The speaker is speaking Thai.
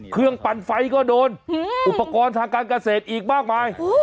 ปั่นไฟก็โดนอุปกรณ์ทางการเกษตรอีกมากมาย